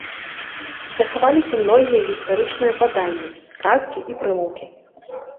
Захаваліся многія гістарычныя паданні, казкі і прымаўкі.